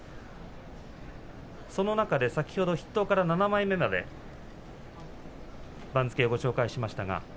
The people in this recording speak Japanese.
その中で筆頭から７枚目まで番付をご紹介しました。